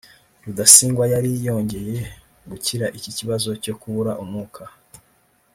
Rudasingwa yari yongeye kugira iki kibazo cyo kubura umwuka